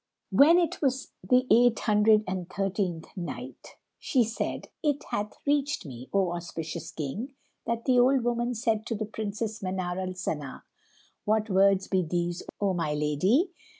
When it was the Eight Hundred and Thirteenth Night, She said, It hath reached me, O auspicious King, that the old woman said to the Princess Manar al Sana, "What words be these, O my lady?